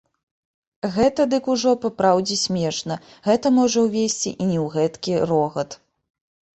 Гэта дык ужо папраўдзе смешна, гэта можа ўвесці і не ў гэткі рогат.